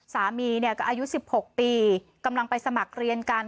สามีเนี่ยก็อายุ๑๖ปีกำลังไปสมัครเรียนกัน